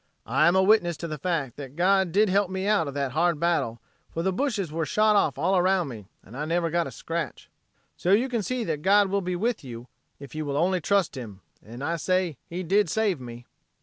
I am a witness to the fact that God did help me out of that hard battle for the bushes were shot off all around me and I never got a scrach. "So you can see that God will be with you if you will only trust Him, and I say He did save me."